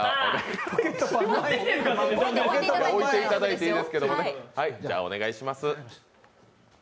置いていただいていいですけどねお願いします。